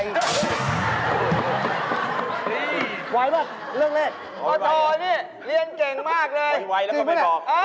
อย่างนี้คำนวณ